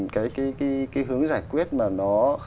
cái hướng giải quyết mà nó